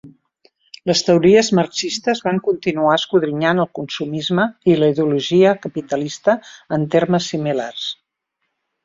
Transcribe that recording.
Les teories marxistes van continuar escodrinyant el consumisme i la ideologia capitalista en termes similars.